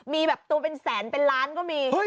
มีแบบตัวเป็นแสนเป็นล้านก็มี